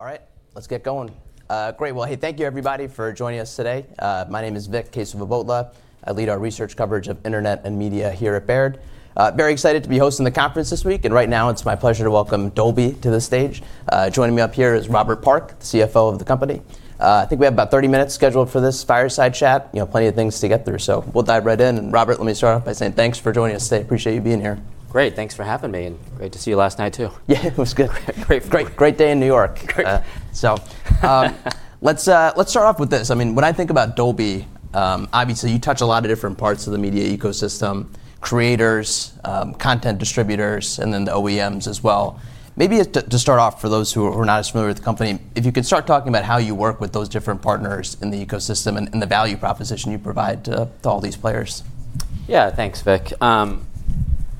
All right, let's get going. Great. Well, hey, thank you everybody for joining us today. My name is Vikram Kesavabhotla. I lead our research coverage of internet and media here at Baird. Very excited to be hosting the conference this week, and right now it's my pleasure to welcome Dolby to the stage. Joining me up here is Robert Park, CFO of the company. I think we have about 30 minutes scheduled for this fireside chat, plenty of things to get through. We'll dive right in. Robert, let me start off by saying thanks for joining us today. Appreciate you being here. Great. Thanks for having me, and great to see you last night, too. Yeah, it was good. Great. Great day in New York. Great. Let's start off with this. When I think about Dolby, obviously you touch a lot of different parts of the media ecosystem: creators, content distributors, and then the OEMs as well. Maybe to start off, for those who are not as familiar with the company, if you could start talking about how you work with those different partners in the ecosystem and the value proposition you provide to all these players. Yeah. Thanks, Vik.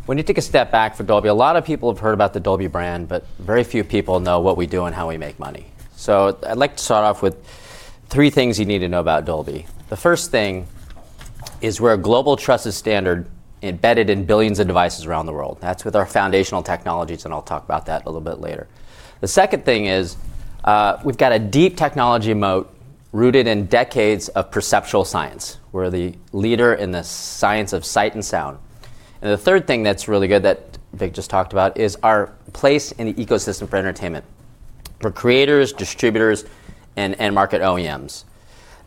When you take a step back for Dolby, a lot of people have heard about the Dolby brand, but very few people know what we do and how we make money. I'd like to start off with three things you need to know about Dolby. The first thing is we're a global trusted standard embedded in billions of devices around the world. That's with our foundational technologies, and I'll talk about that a little bit later. The second thing is we've got a deep technology moat rooted in decades of perceptual science. We're the leader in the science of sight and sound. The third thing that's really good that Vik just talked about is our place in the ecosystem for entertainment, for creators, distributors, and end market OEMs.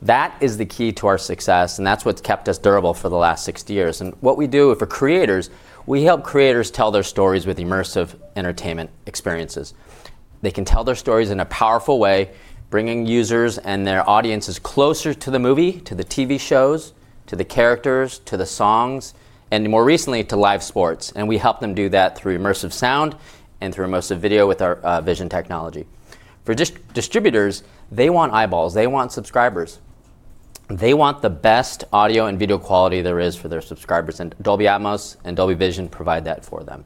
That is the key to our success, and that's what's kept us durable for the last 60 years. What we do for creators, we help creators tell their stories with immersive entertainment experiences. They can tell their stories in a powerful way, bringing users and their audiences closer to the movie, to the TV shows, to the characters, to the songs, and more recently, to live sports. We help them do that through immersive sound and through immersive video with our Vision technology. For distributors, they want eyeballs. They want subscribers. They want the best audio and video quality there is for their subscribers, and Dolby Atmos and Dolby Vision provide that for them.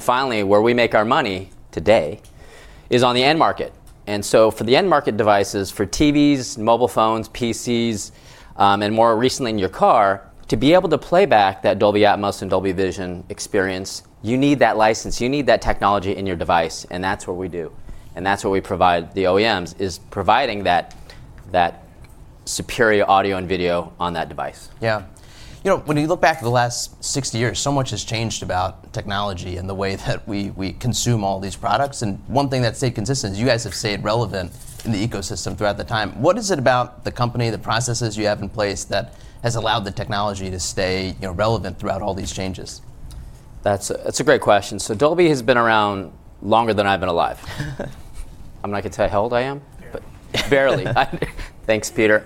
Finally, where we make our money today is on the end market. For the end market devices, for TVs, mobile phones, PCs, and more recently in your car, to be able to play back that Dolby Atmos and Dolby Vision experience, you need that license. You need that technology in your device. That's what we do. That's what we provide the OEMs, is providing that superior audio and video on that device. Yeah. When you look back at the last 60 years, so much has changed about technology and the way that we consume all these products, one thing that's stayed consistent is you guys have stayed relevant in the ecosystem throughout the time. What is it about the company, the processes you have in place, that has allowed the technology to stay relevant throughout all these changes? That's a great question. Dolby has been around longer than I've been alive. I'm not going to tell you how old I am. Barely. Barely. Thanks, Peter.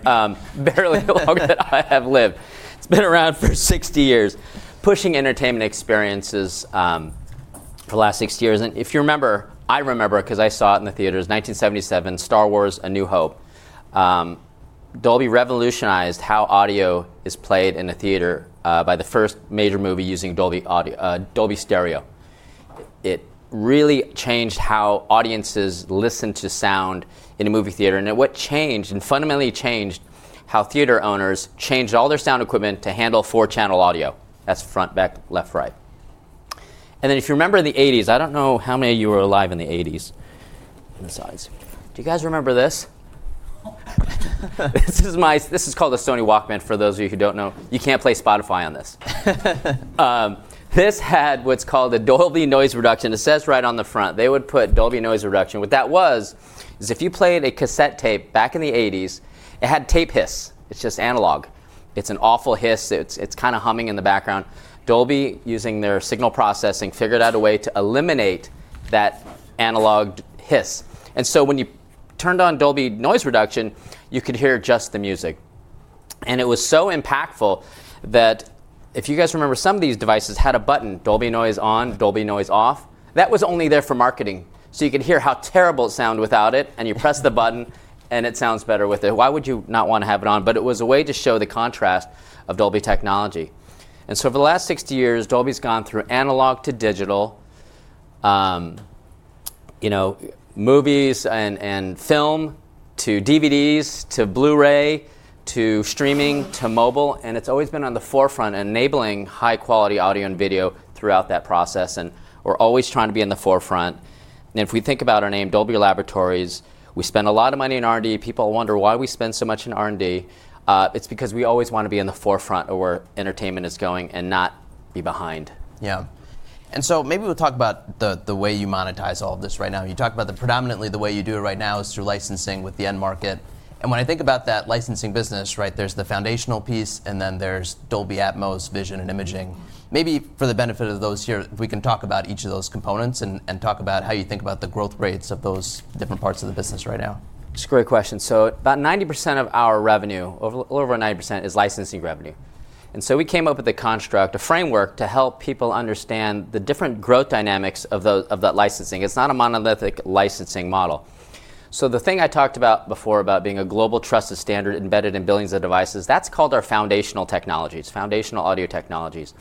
Barely longer than I have lived. It's been around for 60 years, pushing entertainment experiences for the last 60 years. If you remember, I remember because I saw it in the theaters, 1977, "Star Wars: A New Hope." Dolby revolutionized how audio is played in a theater by the first major movie using Dolby Stereo. It really changed how audiences listened to sound in a movie theater, and it changed, and fundamentally changed, how theater owners changed all their sound equipment to handle four-channel audio. That's front, back, left, right. If you remember in the 1980s, I don't know how many of you were alive in the 1980s. Do you guys remember this? This is called a Sony Walkman for those of you who don't know. You can't play Spotify on this. This had what's called a Dolby noise reduction. It says right on the front. They would put Dolby noise reduction. What that was is if you played a cassette tape back in the 1980s, it had tape hiss. It's just analog. It's an awful hiss. It's kind of humming in the background. Dolby, using their signal processing, figured out a way to eliminate that analog hiss. When you turned on Dolby noise reduction, you could hear just the music. It was so impactful that if you guys remember, some of these devices had a button, Dolby noise on, Dolby noise off. That was only there for marketing, so you could hear how terrible it sounded without it, and you press the button, and it sounds better with it. Why would you not want to have it on? It was a way to show the contrast of Dolby technology. Over the last 60 years, Dolby's gone through analog to digital, movies and film to DVDs to Blu-ray to streaming to mobile, and it's always been on the forefront enabling high-quality audio and video throughout that process, and we're always trying to be in the forefront. If we think about our name, Dolby Laboratories, we spend a lot of money in R&D. People wonder why we spend so much in R&D. It's because we always want to be in the forefront of where entertainment is going and not be behind. Yeah. Maybe we'll talk about the way you monetize all of this right now. You talked about the predominantly the way you do it right now is through licensing with the end market. When I think about that licensing business, there's the foundational piece, and then there's Dolby Atmos, Vision, and imaging. Maybe for the benefit of those here, if we can talk about each of those components and talk about how you think about the growth rates of those different parts of the business right now. It's a great question. About 90% of our revenue, a little over 90%, is licensing revenue. We came up with a construct, a framework to help people understand the different growth dynamics of that licensing. It's not a monolithic licensing model. The thing I talked about before about being a global trusted standard embedded in billions of devices, that's called our foundational technologies, foundational audio technologies.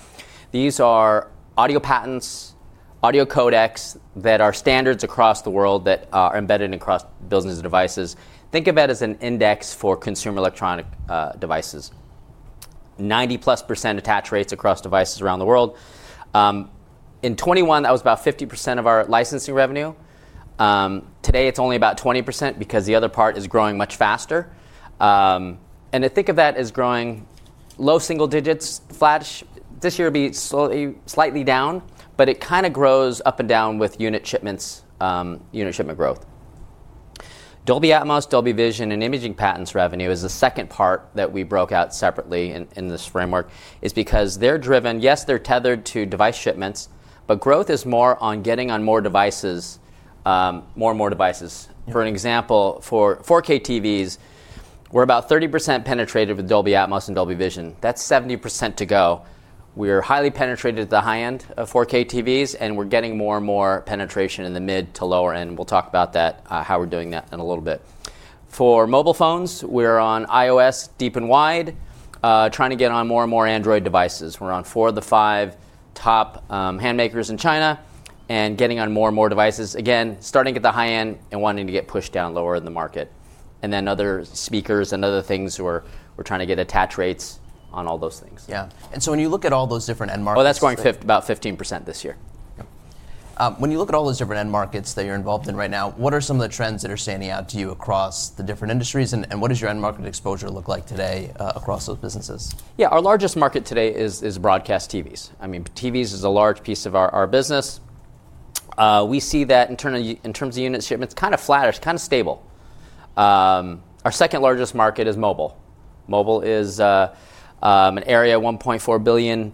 These are audio patents, audio codecs that are standards across the world that are embedded across billions of devices. Think of it as an index for consumer electronic devices. 90-plus percent attach rates across devices around the world. In 2021, that was about 50% of our licensing revenue. Today, it's only about 20% because the other part is growing much faster. Think of that as growing low single digits flat. This year it'll be slightly down, but it kind of grows up and down with unit shipments, unit shipment growth. Dolby Atmos, Dolby Vision, and imaging patents revenue is the second part that we broke out separately in this framework is because they're driven, yes, they're tethered to device shipments, but growth is more on getting on more and more devices. Yeah. For an example, for 4K TVs, we're about 30% penetrative of Dolby Atmos and Dolby Vision. That's 70% to go. We're highly penetrated at the high end of 4K TVs, and we're getting more and more penetration in the mid to lower end. We'll talk about how we're doing that in a little bit. For mobile phones, we're on iOS deep and wide, trying to get on more and more Android devices. We're on four of the five top handset makers in China and getting on more and more devices, again, starting at the high end and wanting to get pushed down lower in the market. Other speakers and other things where we're trying to get attach rates on all those things. Yeah. When you look at all those different end markets that. Oh, that's growing about 15% this year. Yep. When you look at all those different end markets that you're involved in right now, what are some of the trends that are standing out to you across the different industries, and what does your end market exposure look like today across those businesses? Yeah. Our largest market today is broadcast TVs. TVs is a large piece of our business. We see that in terms of unit shipments, kind of flatish, kind of stable. Our second-largest market is mobile. Mobile is an area, 1.4 billion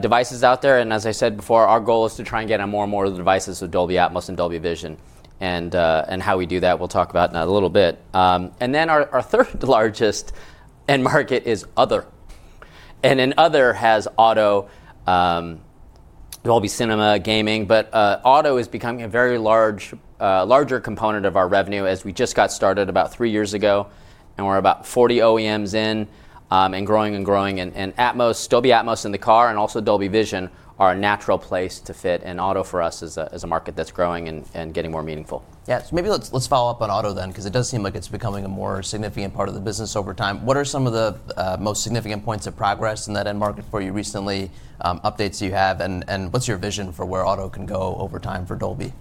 devices out there, as I said before, our goal is to try and get on more and more of the devices with Dolby Atmos and Dolby Vision. How we do that, we'll talk about in a little bit. Then our third-largest end market is other. In other, has auto, Dolby Cinema, gaming, but auto is becoming a larger component of our revenue, as we just got started about three years ago, and we're about 40 OEMs in, and growing. Atmos, Dolby Atmos in the car and also Dolby Vision are a natural place to fit. Auto for us is a market that's growing and getting more meaningful. Yeah. Maybe let's follow up on auto then, because it does seem like it's becoming a more significant part of the business over time. What are some of the most significant points of progress in that end market for you recently, updates you have, and what's your vision for where auto can go over time for Dolby?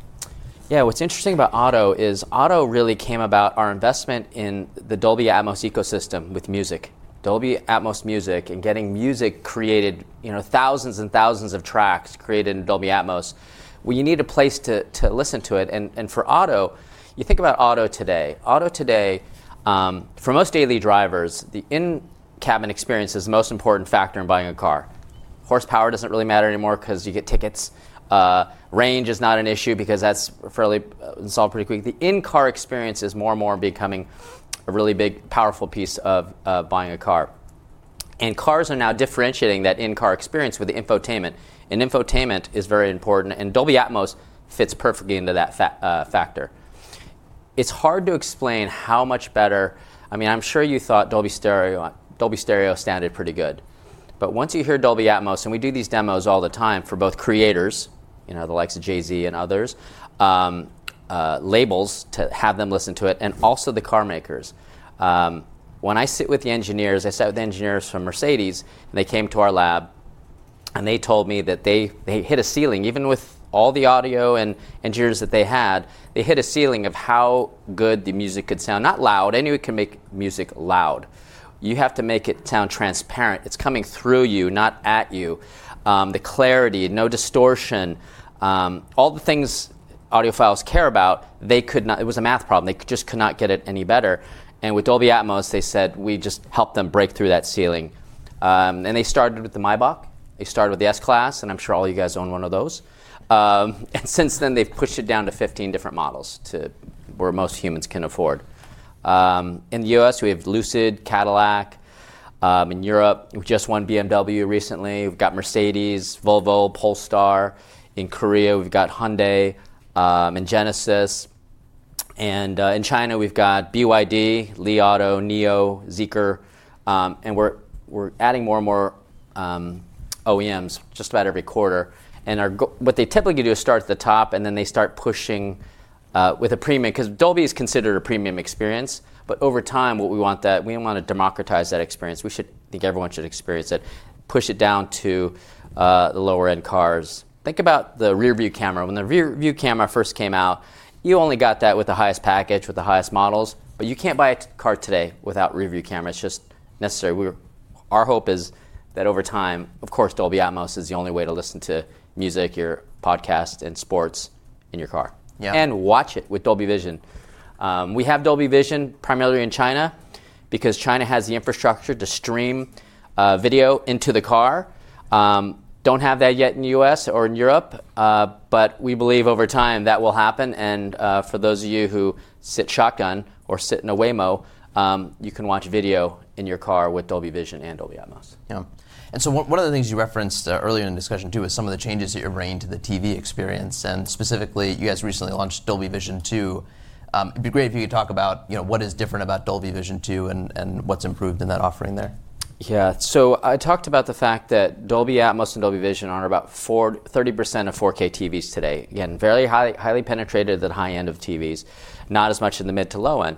Yeah. What's interesting about auto is auto really came about our investment in the Dolby Atmos ecosystem with music. Dolby Atmos music and getting music created, thousands and thousands of tracks created in Dolby Atmos. Well, you need a place to listen to it, and for auto, you think about auto today. Auto today, for most daily drivers, the in-cabin experience is the most important factor in buying a car. Horsepower doesn't really matter anymore because you get tickets. Range is not an issue because that's fairly solved pretty quick. The in-car experience is more and more becoming a really big, powerful piece of buying a car. Cars are now differentiating that in-car experience with the infotainment, and infotainment is very important, and Dolby Atmos fits perfectly into that factor. It's hard to explain how much better I'm sure you thought Dolby Stereo sounded pretty good, but once you hear Dolby Atmos, and we do these demos all the time for both creators, the likes of Jay-Z and others, labels, to have them listen to it, and also the car makers. When I sit with the engineers, I sat with the engineers from Mercedes-Benz, and they came to our lab, and they told me that they hit a ceiling. Even with all the audio engineers that they had, they hit a ceiling of how good the music could sound. Not loud. Anybody can make music loud. You have to make it sound transparent. It's coming through you, not at you. The clarity, no distortion. All the things audiophiles care about, it was a math problem. They just could not get it any better. With Dolby Atmos, they said we just helped them break through that ceiling. They started with the Mercedes-Maybach. They started with the S-Class, and I'm sure all you guys own one of those. Since then, they've pushed it down to 15 different models, to where most humans can afford. In the U.S., we have Lucid, Cadillac. In Europe, we just won BMW recently. We've got Mercedes-Benz, Volvo, Polestar. In Korea, we've got Hyundai and Genesis. In China, we've got BYD, Li Auto, NIO, Zeekr, and we're adding more and more OEMs just about every quarter. What they typically do is start at the top, and then they start pushing with a premium, because Dolby is considered a premium experience, but over time, we want to democratize that experience. We think everyone should experience it, push it down to the lower-end cars. Think about the rearview camera. When the rearview camera first came out, you only got that with the highest package, with the highest models, but you can't buy a car today without rearview camera. It's just necessary. Our hope is that over time, of course, Dolby Atmos is the only way to listen to music, your podcast, and sports in your car. Yeah. Watch it with Dolby Vision. We have Dolby Vision primarily in China because China has the infrastructure to stream video into the car. Don't have that yet in the U.S. or in Europe. We believe over time that will happen. For those of you who sit shotgun or sit in a Waymo, you can watch video in your car with Dolby Vision and Dolby Atmos. Yeah. One of the things you referenced earlier in the discussion too is some of the changes that you're bringing to the TV experience, and specifically, you guys recently launched Dolby Vision 2. It'd be great if you could talk about what is different about Dolby Vision 2 and what's improved in that offering there. Yeah. I talked about the fact that Dolby Atmos and Dolby Vision are in about 30% of 4K TVs today. Again, very highly penetrated at the high end of TVs. Not as much in the mid to low end.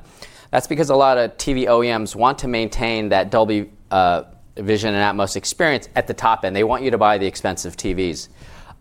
That's because a lot of TV OEMs want to maintain that Dolby Vision and Atmos experience at the top end. They want you to buy the expensive TVs.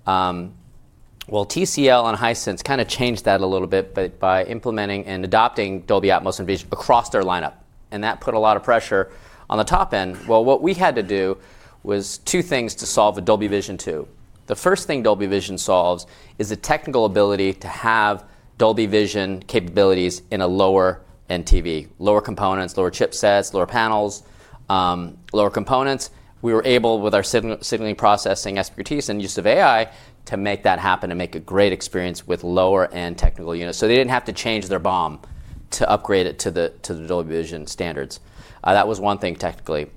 Well, TCL and Hisense kind of changed that a little bit by implementing and adopting Dolby Atmos and Vision across their lineup, and that put a lot of pressure on the top end. Well, what we had to do was two things to solve the Dolby Vision 2. The first thing Dolby Vision solves is the technical ability to have Dolby Vision capabilities in a lower-end TV. Lower components, lower chipsets, lower panels, lower components. We were able, with our signal processing expertise and use of AI, to make that happen and make a great experience with lower-end technical units. They didn't have to change their BOM to upgrade it to the Dolby Vision standards. That was one thing, technically.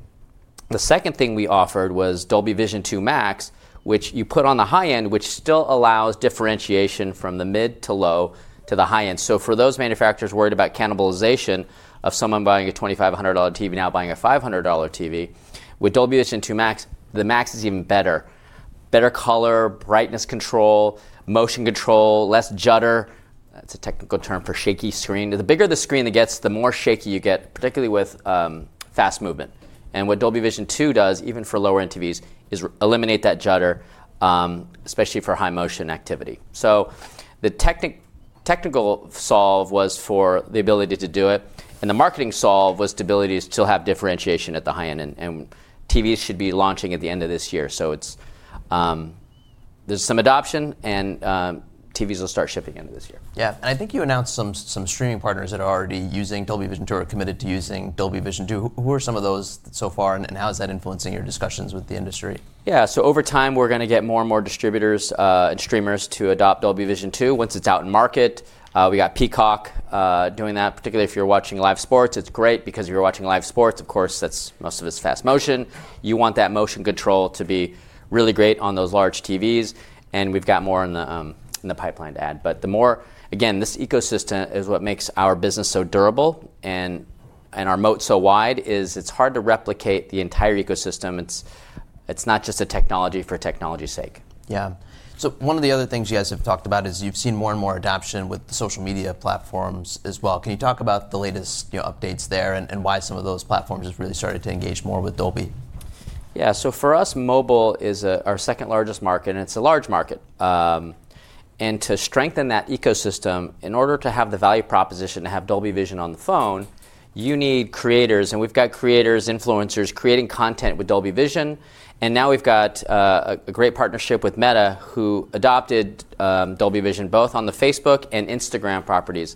The second thing we offered was Dolby Vision 2 Max, which you put on the high end, which still allows differentiation from the mid to low to the high end. For those manufacturers worried about cannibalization of someone buying a $2,500 TV now buying a $500 TV, with Dolby Vision 2 Max, the Max is even better. Better color, brightness control, motion control, less judder. That's a technical term for shaky screen. The bigger the screen it gets, the more shaky you get, particularly with fast movement. What Dolby Vision 2 does, even for lower-end TVs, is eliminate that judder, especially for high-motion activity. The technical solve was for the ability to do it, and the marketing solve was the ability to still have differentiation at the high end. TVs should be launching at the end of this year. There's some adoption, and TVs will start shipping end of this year. Yeah. I think you announced some streaming partners that are already using Dolby Vision or are committed to using Dolby Vision 2. Who are some of those so far, and how is that influencing your discussions with the industry? Yeah. Over time, we're going to get more and more distributors and streamers to adopt Dolby Vision 2 once it's out in market. We got Peacock doing that. Particularly if you're watching live sports, it's great because you're watching live sports, of course, most of it's fast motion. You want that motion control to be really great on those large TVs, and we've got more in the pipeline to add. Again, this ecosystem is what makes our business so durable and our moat so wide, is it's hard to replicate the entire ecosystem. It's not just a technology for technology's sake. Yeah. One of the other things you guys have talked about is you've seen more and more adoption with the social media platforms as well. Can you talk about the latest updates there and why some of those platforms have really started to engage more with Dolby? Yeah. For us, mobile is our second-largest market, and it's a large market. To strengthen that ecosystem, in order to have the value proposition to have Dolby Vision on the phone, you need creators. We've got creators, influencers creating content with Dolby Vision, and now we've got a great partnership with Meta who adopted Dolby Vision, both on the Facebook and Instagram properties.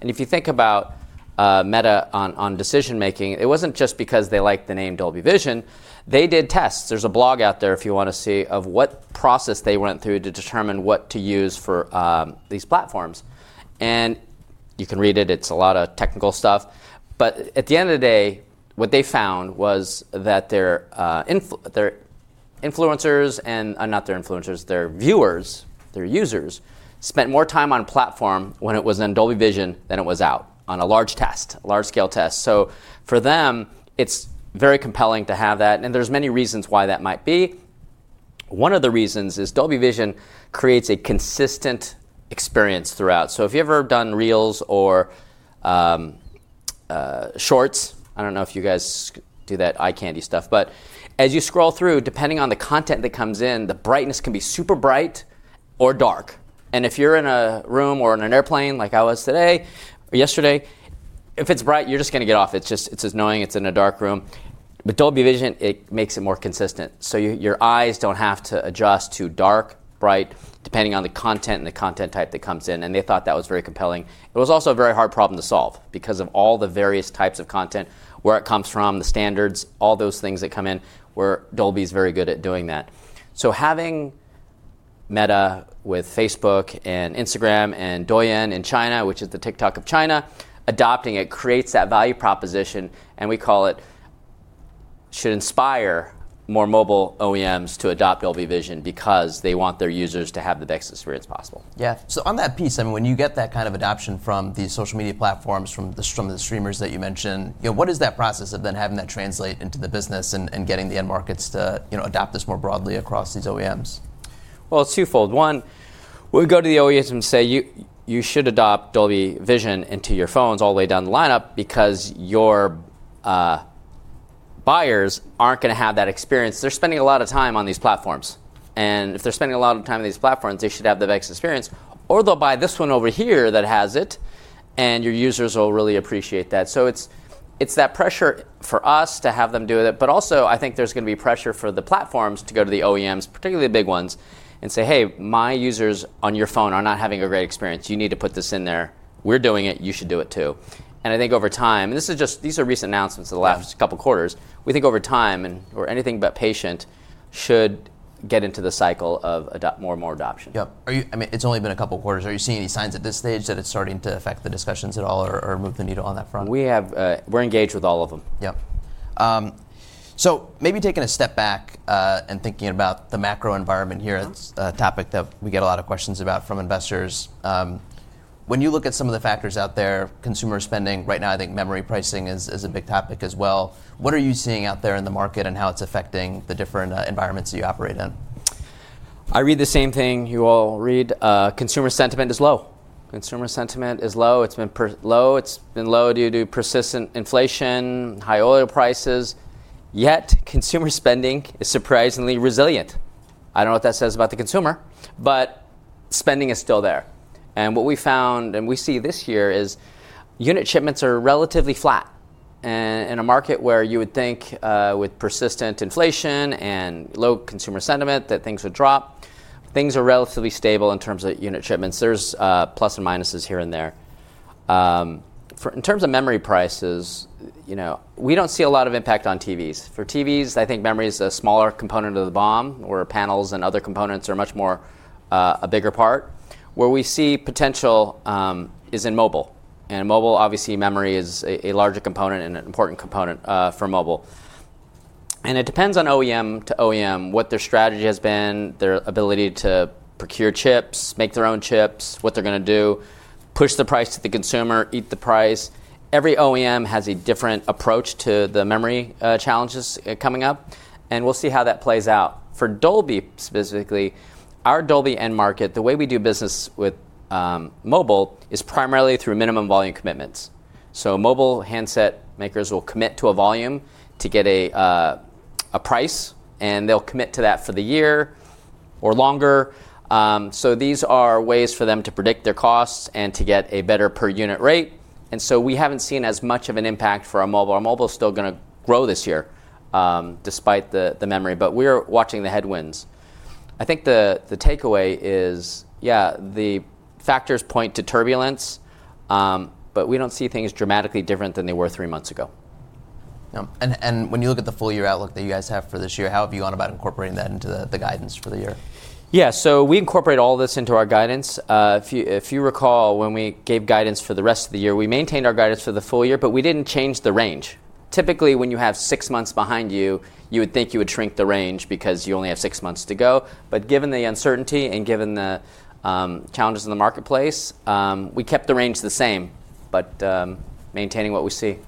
If you think about Meta on decision-making, it wasn't just because they like the name Dolby Vision. They did tests. There's a blog out there if you want to see of what process they went through to determine what to use for these platforms. You can read it's a lot of technical stuff, but at the end of the day, what they found was that their influencers, not their influencers, their viewers, their users, spent more time on platform when it was in Dolby Vision than it was out on a large test, a large-scale test. For them, it's very compelling to have that, and there's many reasons why that might be. One of the reasons is Dolby Vision creates a consistent experience throughout. If you've ever done Reels or Shorts, I don't know if you guys do that eye candy stuff, but as you scroll through, depending on the content that comes in, the brightness can be super bright or dark. If you're in a room or on an airplane like I was today or yesterday, if it's bright, you're just going to get off. It's just annoying. It's in a dark room. Dolby Vision, it makes it more consistent. Your eyes don't have to adjust to dark, bright, depending on the content and the content type that comes in, and they thought that was very compelling. It was also a very hard problem to solve because of all the various types of content, where it comes from, the standards, all those things that come in where Dolby's very good at doing that. Having Meta with Facebook and Instagram and Douyin in China, which is the TikTok of China, adopting it creates that value proposition, and we call it, should inspire more mobile OEMs to adopt Dolby Vision because they want their users to have the best experience possible. Yeah. On that piece, when you get that kind of adoption from the social media platforms, from the streamers that you mentioned, what is that process of then having that translate into the business and getting the end markets to adopt this more broadly across these OEMs? Well, it's twofold. One, we go to the OEMs and say, "You should adopt Dolby Vision into your phones all the way down the lineup because your buyers aren't going to have that experience. They're spending a lot of time on these platforms. If they're spending a lot of time on these platforms, they should have the best experience, or they'll buy this one over here that has it, and your users will really appreciate that." It's that pressure for us to have them do it, but also, I think there's going to be pressure for the platforms to go to the OEMs, particularly the big ones, and say, "Hey, my users on your phone are not having a great experience. You need to put this in there. We're doing it. You should do it, too. I think over time, these are recent announcements in the last couple of quarters. We think over time, and we're anything but patient, should get into the cycle of more and more adoption. Yep. It's only been a couple quarters. Are you seeing any signs at this stage that it's starting to affect the discussions at all or move the needle on that front? We're engaged with all of them. Yep. Maybe taking a step back and thinking about the macro environment here. It's a topic that we get a lot of questions about from investors. When you look at some of the factors out there, consumer spending right now, I think memory pricing is a big topic as well. What are you seeing out there in the market and how it's affecting the different environments that you operate in? I read the same thing you all read. Consumer sentiment is low. Consumer sentiment is low. It's been low. It's been low due to persistent inflation, high oil prices. Consumer spending is surprisingly resilient. I don't know what that says about the consumer, but spending is still there. What we found, and we see this year, is unit shipments are relatively flat. In a market where you would think with persistent inflation and low consumer sentiment that things would drop, things are relatively stable in terms of unit shipments. There's plus and minuses here and there. In terms of memory prices, we don't see a lot of impact on TVs. For TVs, I think memory is a smaller component of the BOM, where panels and other components are much more a bigger part. Where we see potential is in mobile. In mobile, obviously, memory is a larger component and an important component for mobile. It depends on OEM to OEM, what their strategy has been, their ability to procure chips, make their own chips, what they're going to do, push the price to the consumer, eat the price. Every OEM has a different approach to the memory challenges coming up, and we'll see how that plays out. For Dolby, specifically, our Dolby end market, the way we do business with mobile is primarily through minimum volume commitments. Mobile handset makers will commit to a volume to get a price, and they'll commit to that for the year or longer. These are ways for them to predict their costs and to get a better per-unit rate. We haven't seen as much of an impact for our mobile. Our mobile's still going to grow this year despite the memory, but we're watching the headwinds. I think the takeaway is, yeah, the factors point to turbulence, but we don't see things dramatically different than they were three months ago. Yeah. When you look at the full-year outlook that you guys have for this year, how have you gone about incorporating that into the guidance for the year? Yeah. We incorporate all this into our guidance. If you recall, when we gave guidance for the rest of the year, we maintained our guidance for the full year, but we didn't change the range. Typically, when you have six months behind you would think you would shrink the range because you only have six months to go. Given the uncertainty and given the challenges in the marketplace, we kept the range the same, but maintaining what we see.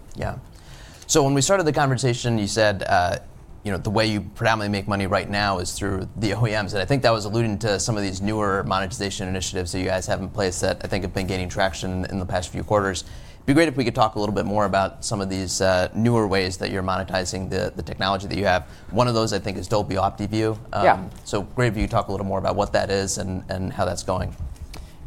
When we started the conversation, you said the way you predominantly make money right now is through the OEMs. I think that was alluding to some of these newer monetization initiatives that you guys have in place that I think have been gaining traction in the past few quarters. It would be great if we could talk a little bit more about some of these newer ways that you are monetizing the technology that you have. One of those, I think, is Dolby OptiView. Yeah. Great if you talk a little more about what that is and how that's going.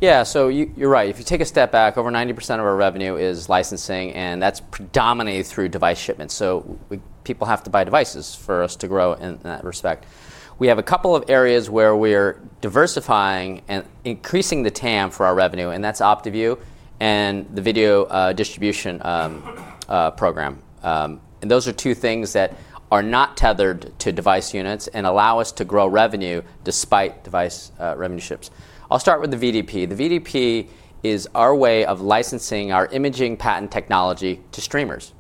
Yeah. You're right. If you take a step back, over 90% of our revenue is licensing, and that's predominantly through device shipments. We have a couple of areas where we're diversifying and increasing the TAM for our revenue, and that's OptiView and the Video Distribution Program. Those are two things that are not tethered to device units and allow us to grow revenue despite device revenue ships. I'll start with the VDP. The VDP is our way of licensing our imaging patent technology to streamers.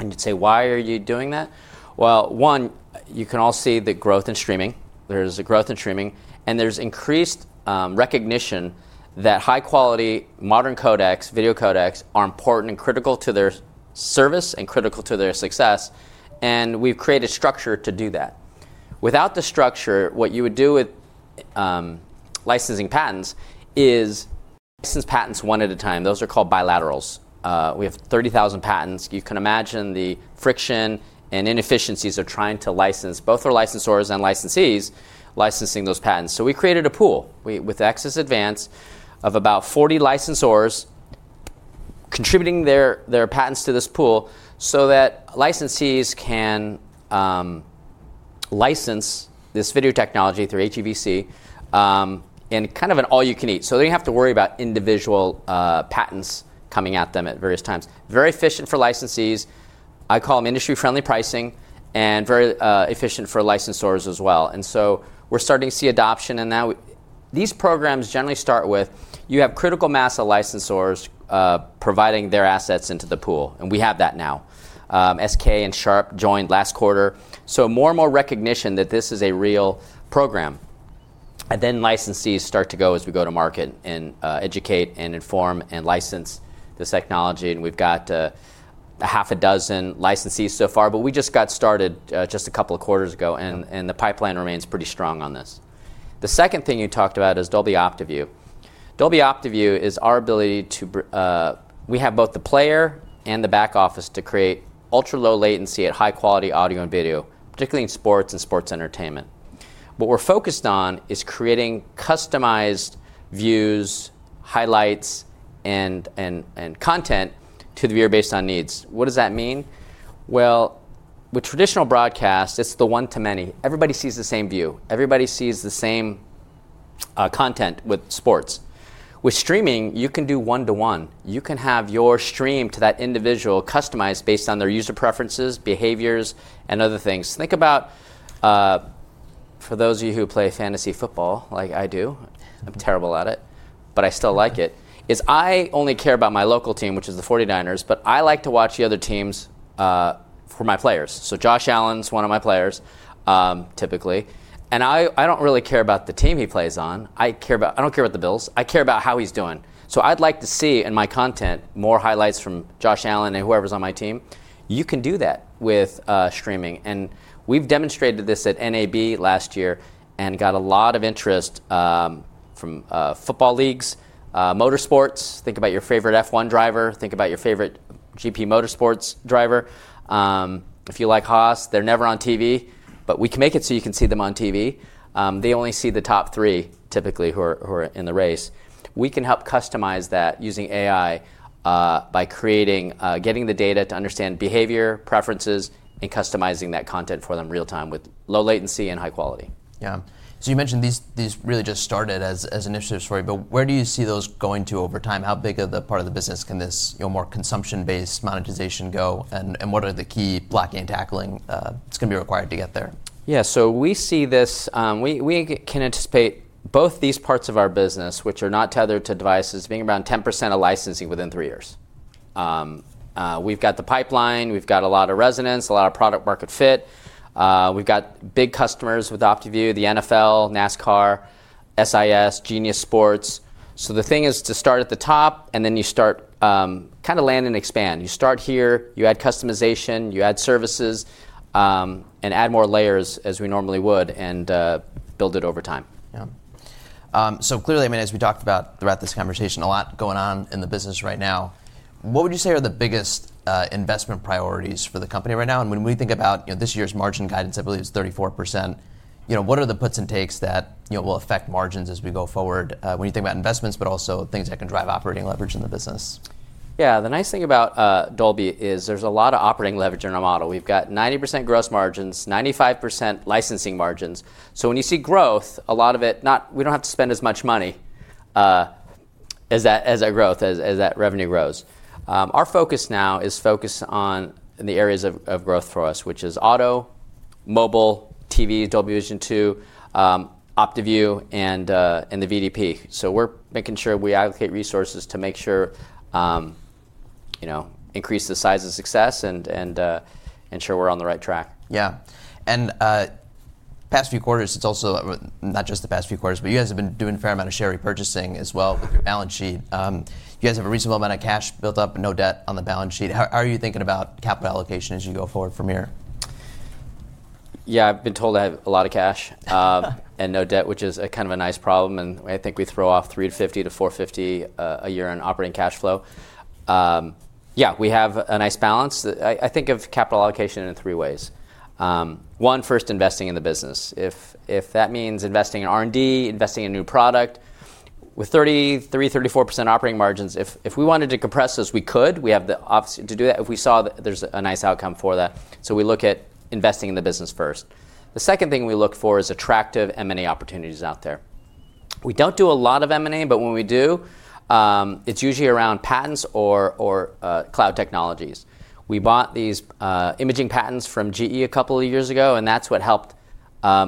You'd say, "Why are you doing that?" One, you can all see the growth in streaming. There's a growth in streaming, and there's increased recognition that high-quality modern codecs, video codecs, are important and critical to their service and critical to their success, and we've created structure to do that. Without the structure, what you would do with licensing patents is license patents one at a time. Those are called bilaterals. We have 30,000 patents. You can imagine the friction and inefficiencies of trying to license, both our licensors and licensees, licensing those patents. We created a pool, with Access Advance, of about 40 licensors contributing their patents to this pool so that licensees can license this video technology through HEVC in kind of an all-you-can-eat. They don't have to worry about individual patents coming at them at various times. Very efficient for licensees. I call them industry-friendly pricing, and very efficient for licensors as well. We're starting to see adoption, now these programs generally start with you have critical mass of licensors providing their assets into the pool, we have that now. SK and Sharp joined last quarter. More and more recognition that this is a real program. Licensees start to go as we go to market and educate and inform and license this technology, we've got half a dozen licensees so far. We just got started just a couple of quarters ago, the pipeline remains pretty strong on this. The second thing you talked about is Dolby OptiView. Dolby OptiView is we have both the player and the back office to create ultra-low latency at high-quality audio and video, particularly in sports and sports entertainment. What we're focused on is creating customized views, highlights, and content to the viewer based on needs. What does that mean? With traditional broadcast, it's the one-to-many. Everybody sees the same view. Everybody sees the same content with sports. With streaming, you can do one-to-one. You can have your stream to that individual customized based on their user preferences, behaviors, and other things. Think about, for those of you who play fantasy football like I do, I'm terrible at it, but I still like it, I only care about my local team, which is the 49ers, but I like to watch the other teams for my players. Josh Allen's one of my players, typically, and I don't really care about the team he plays on. I don't care about the Bills. I care about how he's doing. I'd like to see in my content more highlights from Josh Allen and whoever's on my team. You can do that with streaming. We've demonstrated this at NAB last year and got a lot of interest from football leagues, motor sports. Think about your favorite F1 driver, think about your favorite GP Motorsports driver. If you like Haas, they're never on TV, but we can make it so you can see them on TV. They only see the top three, typically, who are in the race. We can help customize that using AI by creating, getting the data to understand behavior, preferences, and customizing that content for them real time with low latency and high quality. Yeah. You mentioned these really just started as an initiative story, but where do you see those going to over time? How big of the part of the business can this, you know, more consumption-based monetization go, and what are the key blocking and tackling that's going to be required to get there? Yeah, we can anticipate both these parts of our business, which are not tethered to devices, being around 10% of licensing within three years. We've got the pipeline, we've got a lot of resonance, a lot of product market fit. We've got big customers with OptiView, the NFL, NASCAR, SIS, Genius Sports. The thing is to start at the top, then you start, kind of land and expand. You start here, you add customization, you add services, add more layers as we normally would, build it over time. Yeah. Clearly, I mean, as we talked about throughout this conversation, a lot going on in the business right now. What would you say are the biggest investment priorities for the company right now? When we think about, you know, this year's margin guidance, I believe is 34%, you know, what are the puts and takes that, you know, will affect margins as we go forward, when you think about investments, but also things that can drive operating leverage in the business? The nice thing about Dolby is there's a lot of operating leverage in our model. We've got 90% gross margins, 95% licensing margins. When you see growth, we don't have to spend as much money as that revenue grows. Our focus now is focused on the areas of growth for us, which is auto, mobile, TV, Dolby Vision 2, OptiView, and the VDP. We're making sure we allocate resources to make sure, you know, increase the size of success and ensure we're on the right track. Yeah. Past few quarters it's also, not just the past few quarters, but you guys have been doing a fair amount of share repurchasing as well with your balance sheet. You guys have a reasonable amount of cash built up and no debt on the balance sheet. How are you thinking about capital allocation as you go forward from here? Yeah, I've been told I have a lot of cash, and no debt, which is a kind of a nice problem, and I think we throw off $350 to $450 a year in operating cash flow. Yeah, we have a nice balance. I think of capital allocation in three ways. One, first investing in the business. If that means investing in R&D, investing in new product. With 33%-34% operating margins, if we wanted to compress this, we could. We have the option to do that if we saw there's a nice outcome for that. We look at investing in the business first. The second thing we look for is attractive M&A opportunities out there. We don't do a lot of M&A, when we do, it's usually around patents or cloud technologies. We bought these imaging patents from GE a couple of years ago, and that's what helped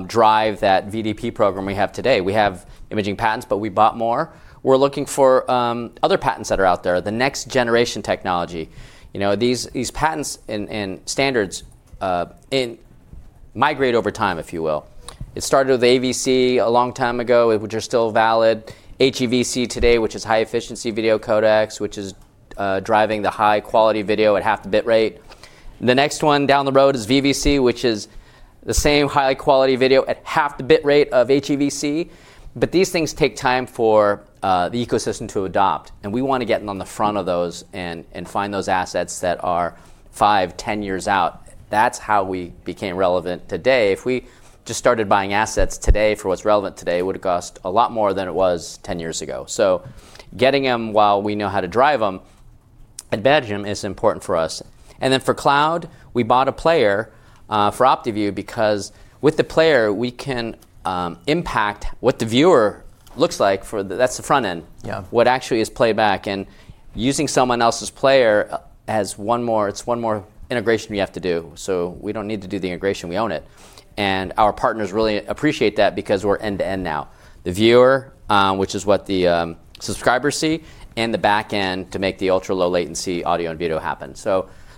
drive that VDP program we have today. We have imaging patents, but we bought more. We're looking for other patents that are out there, the next-generation technology. You know, these patents and standards migrate over time, if you will. It started with AVC a long time ago, which are still valid. HEVC today, which is High Efficiency Video Codecs, which is driving the high-quality video at half the bit rate. The next one down the road is VVC, which is the same high quality video at half the bit rate of HEVC. These things take time for the ecosystem to adopt, and we want to get in on the front of those and find those assets that are 5, 10 years out. That's how we became relevant today. If we just started buying assets today for what's relevant today, it would've cost a lot more than it was 10 years ago. Getting them while we know how to drive them and manage them is important for us. For cloud, we bought a player for OptiView because with the player we can impact what the viewer looks like. That's the front end. Yeah. What actually is playback. Using someone else's player, it's one more integration we have to do. We don't need to do the integration, we own it. Our partners really appreciate that because we're end-to-end now. The viewer, which is what the subscribers see, and the back end to make the ultra-low latency audio and video happen.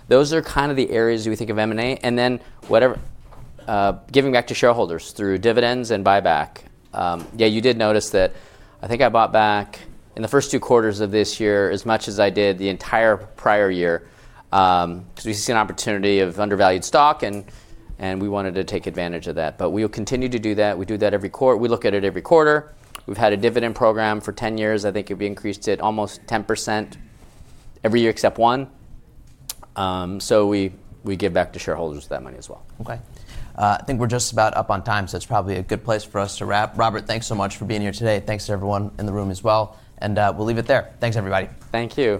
Those are kind of the areas we think of M&A. Then whatever, giving back to shareholders through dividends and buyback. Yeah, you did notice that I think I bought back in the first two quarters of this year as much as I did the entire prior year. Cause we've seen an opportunity of undervalued stock and we wanted to take advantage of that. We will continue to do that. We look at it every quarter. We've had a dividend program for 10 years. I think it'd be increased at almost 10% every year except one. We give back to shareholders with that money as well. Okay. I think we're just about up on time, so it's probably a good place for us to wrap. Robert, thanks so much for being here today. Thanks to everyone in the room as well. We'll leave it there. Thanks everybody. Thank you.